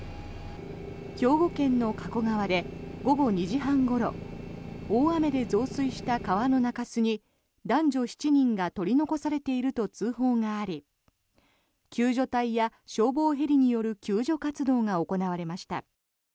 兵庫県の加古川で午後２時半ごろ大雨で増水した川の中州に男女７人が取り残されていると通報があり救助隊や消防ヘリによる救助活動が行われました。